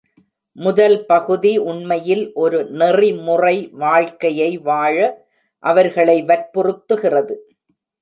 முதல் பகுதி உண்மையில் ஒரு நெறிமுறை வாழ்க்கையை வாழ அவர்களை வற்புறுத்துகிறது.